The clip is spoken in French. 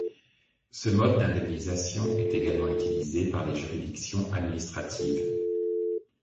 Ce mode d'indemnisation est également utilisé par les juridictions administratives.